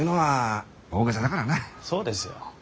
そうですよ。